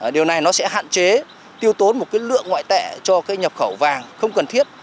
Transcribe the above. điều này sẽ hạn chế tiêu tốn một lượng ngoại tệ cho nhập khẩu vàng không cần thiết